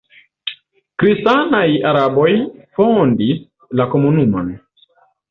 Kristanaj araboj fondis la komunumon.